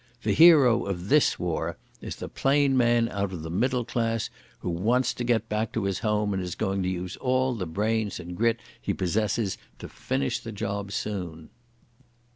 The hero of this war is the plain man out of the middle class, who wants to get back to his home and is going to use all the brains and grit he possesses to finish the job soon."